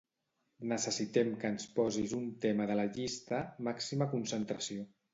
Necessitem que ens posis un tema de la llista "màxima concentració".